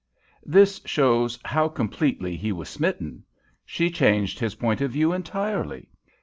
This shows how completely he was smitten. She changed his point of view entirely.